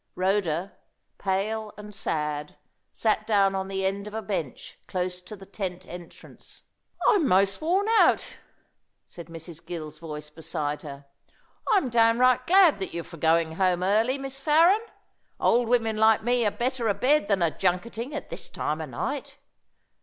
Rhoda, pale and sad, sat down on the end of a bench close to the tent entrance. "I'm 'most worn out," said Mrs. Gill's voice beside her. "I'm downright glad that you're for going home early, Miss Farren. Old women like me are better a bed than a junketing at this time o' night!